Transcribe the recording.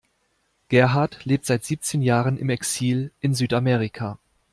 Gerhard lebt seit siebzehn Jahren im Exil in Südamerika.